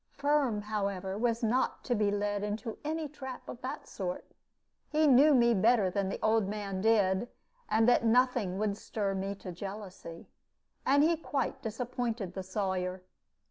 Firm, however, was not to be led into any trap of that sort. He knew me better than the old man did, and that nothing would stir me to jealousy, and he quite disappointed the Sawyer.